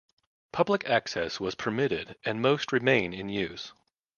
Public access was permitted and most remain in use.